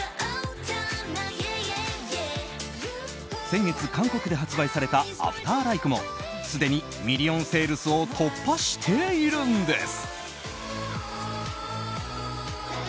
先月、韓国で発売された「ＡｆｔｅｒＬＩＫＥ」もすでにミリオンセールスを突破しているんです。